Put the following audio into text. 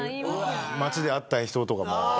街で会った人とかも。